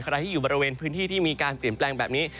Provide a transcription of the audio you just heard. ใครที่อยู่บริเวณพื้นที่ที่มีการเปลี่ยนแปลงแบบนี้